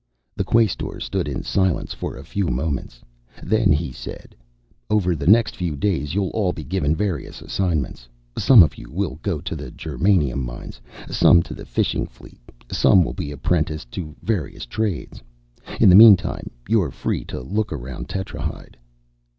The Quaestor stood in silence for a few moments. Then he said, "Over the next few days, you'll all be given various assignments. Some of you will go to the germanium mines, some to the fishing fleet, some will be apprenticed to various trades. In the meantime, you're free to look around Tetrahyde."